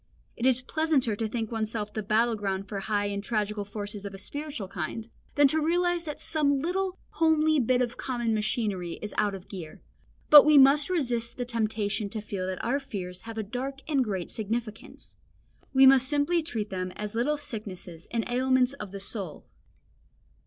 It is pleasanter to think oneself the battle ground for high and tragical forces of a spiritual kind, than to realise that some little homely bit of common machinery is out of gear. But we must resist the temptation to feel that our fears have a dark and great significance. We must simply treat them as little sicknesses and ailments of the soul.